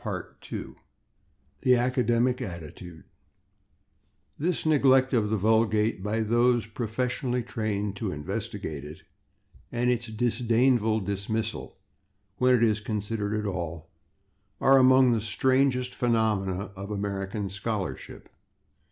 § 2 /The Academic Attitude/ This neglect of the vulgate by those professionally trained to investigate it, and its disdainful dismissal when it is considered at all, are among the strangest phenomena of American scholarship.